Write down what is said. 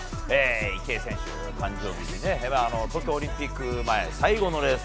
池江選手、誕生日に東京オリンピック前最後のレース。